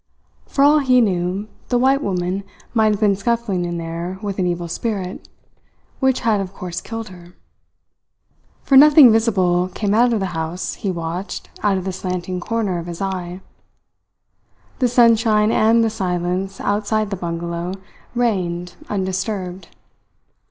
For all he knew, the white woman might have been scuffling in there with an evil spirit, which had of course killed her. For nothing visible came out of the house he watched out of the slanting corner of his eye. The sunshine and the silence outside the bungalow reigned undisturbed.